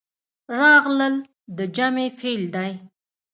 راغلل د جمع فعل دی.